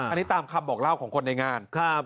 อันนี้ตามคำบอกราวของคนในงานครับ